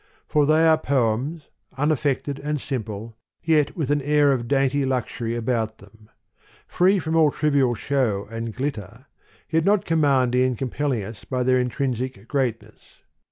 For they are poems, unaffected and simple, yet with an air of dainty luxury about them : free from all trivial show and glitter, yet not commanding and compel ling us by their intrinsic greatness.